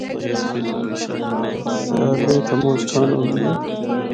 سیالے اِتھا مُچ ٹھنڈ ہوندے اے۔